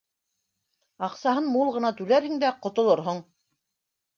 Аҡсаһын мул ғына түләрһең дә, ҡотолорһоң